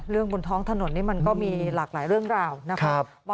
บนท้องถนนนี่มันก็มีหลากหลายเรื่องราวนะครับ